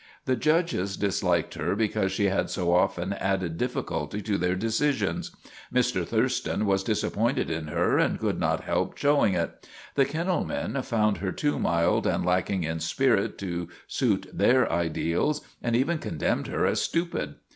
The judges dis liked her because she had so often added difficulty to their decisions. Mr. Thurston was disappointed in her and could not help showing it. The kennel men found her too mild and lacking in spirit to suit their ideals and even condemned her as stupid.